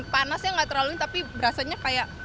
panasnya nggak terlalu tapi berasanya kayak